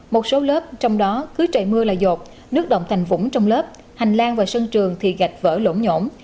một số lớp trong đó cứ trời mưa là dột nước động thành vũng trong lớp hành lang và sân trường thì gạch vỡ lỗ nhổm